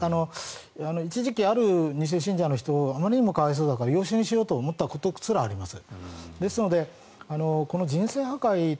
一時期、ある２世信者の人あまりにも可哀想だから養子にしようと思ったことすらあります。